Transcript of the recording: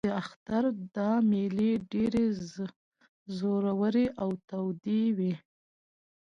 د اختر دا مېلې ډېرې زورورې او تودې وې.